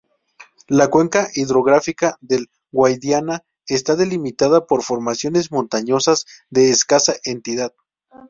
La cuenca hidrográfica del Guadiana está delimitada por formaciones montañosas de escasa entidad.